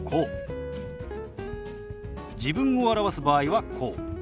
自分を表す場合はこう。